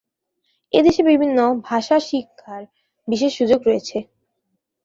এদেশে বিভিন্ন ভাষা শিক্ষার বিশেষ সুযোগ রয়েছে।